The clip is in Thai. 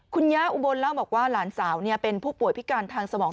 คุณย่าอุบลเล่าบอกว่าหลานสาวเป็นผู้ป่วยพิการทางสมอง